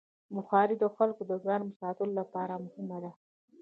بخاري د خلکو د ګرم ساتلو لپاره مهمه ده.